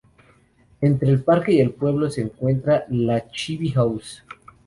Entre el parque y el pueblo se encuentra la Chibi-House.